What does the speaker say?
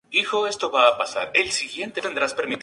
En Varsovia, se infiltró entre personalidades de renombre.